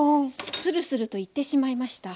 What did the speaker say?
スルスルといってしまいました。